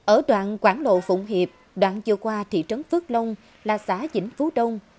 ở đoạn quảng lộ phụng hiệp đoạn vừa qua thị trấn phước long là xã dĩnh phú đông